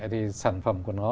thì sản phẩm của nó